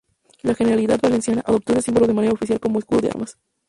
La Generalidad Valenciana adoptó este símbolo de manera oficial como escudo de armas.